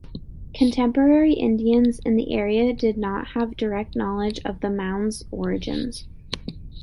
Contemporary Indians in the area did not have direct knowledge of the mounds' origins.